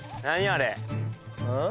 あれん？